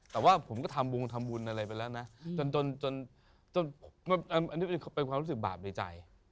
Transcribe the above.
แต่ว่าผมก็ทำวงทำบุญอะไรไปแล้วนะจนอันนี้เป็นความรู้สึกบาปในใจ